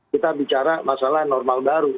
kita bicara masalah normal baru